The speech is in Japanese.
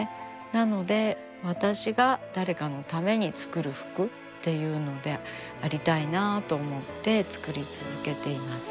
なので私が誰かのために作る服っていうのでありたいなと思って作り続けています。